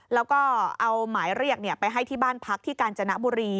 แล้วก็เอาหมายเรียกไปให้ที่บ้านพักที่กาญจนบุรี